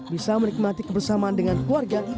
bisa menikmati kebersamaan dengan keluarga